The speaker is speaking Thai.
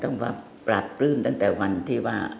ต้องว่าปราบรื่นตั้งแต่วันที่ว่า